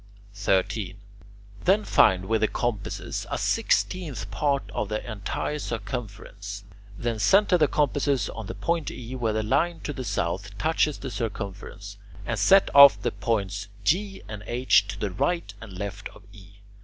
13. Then find with the compasses a sixteenth part of the entire circumference; then centre the compasses on the point E where the line to the south touches the circumference, and set off the points G and H to the right and left of E.